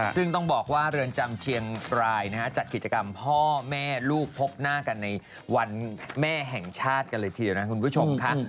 ซึ่งต้องบอกว่าเรือนจำเชียงรายจัดกิจกรรมพ่อแม่ลูกพบหน้ากันในวันแม่แห่งชาติกันเลยทีเดียวนะคุณผู้ชมค่ะ